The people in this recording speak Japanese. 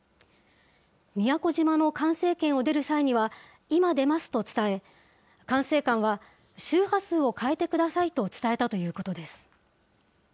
宮古島の管制圏を出る際には、今出ますと伝え、管制官は周波数を変えてくださいと伝えたということです。